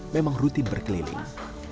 memang rutin berkeliling